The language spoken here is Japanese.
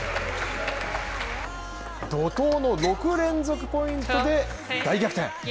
怒濤の６連続ポイントで大逆転。